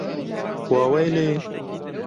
Waweylê!